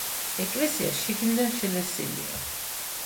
ეკლესია შიგნიდან შელესილია.